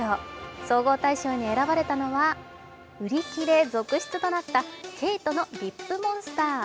総合大賞に選ばれたのは売り切れ続出となったＫＡＴＥのリップモンスター。